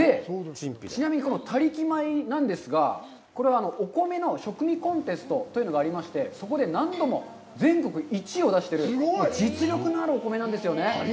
ちなみにこの「田力米」なんですが、これはお米の食味コンテストというのがありまして、そこで何度も全国１位を出してる実力のあるお米なんですよね。